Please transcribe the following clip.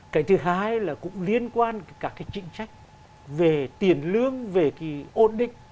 cái thứ hai là cũng liên quan các cái trịnh trách về tiền lương về cái ôn định